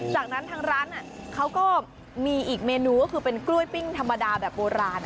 จากนั้นทางร้านเขาก็มีอีกเมนูก็คือเป็นกล้วยปิ้งธรรมดาแบบโบราณ